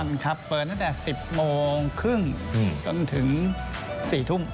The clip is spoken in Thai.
เปิดทุกวันครับเปิดตั้งแต่๑๐โมงครึ่งก็จนถึง๔ทุ่ม